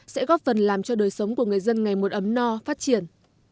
sẽ góp phần làm cho đời sống của người dân ngày một ấm no phát triển